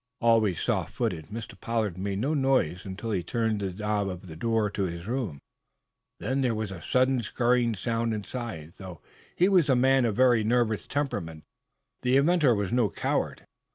Always soft footed, Mr. Pollard made no noise until he turned the knob of the door to his room. There was a sudden, scurrying sound inside. Though he was a man of very nervous temperament the inventor was no coward.